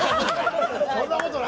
そんなことない。